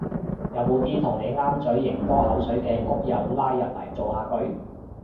有冇啲同你啱嘴型多口水嘅谷友拉入嚟造下句